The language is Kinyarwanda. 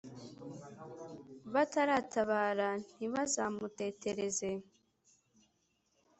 Bataratabara ntibazamutetereze